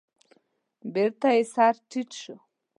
بېرته يې سر تيټ شو.